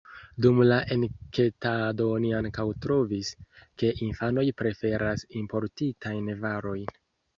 Dum la enketado oni ankaŭ trovis, ke infanoj preferas importitajn varojn.